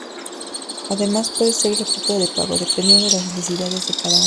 Además, puede ser gratuita o de pago, dependiendo de las necesidades de cada uno.